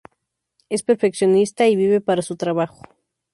Es perfeccionista y vive para su trabajo.